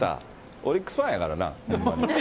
オリックスファンやからな、ほんまに。